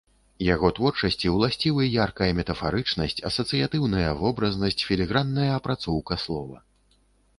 Яго творчасці ўласцівы яркая метафарычнасць, асацыятыўная вобразнасць, філігранная апрацоўка слова.